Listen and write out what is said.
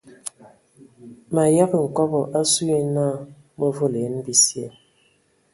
Mayəgə nkɔbɔ asu yi nə mə volo yen bisye.